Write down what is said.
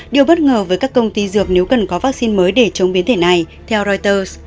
điều bất ngờ với các công ty dược nếu cần có vaccine mới để chống biến thể này theo reuters